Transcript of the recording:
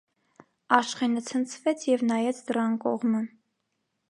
Աշխենը ցնցվեց և նայեց դռան կողմը: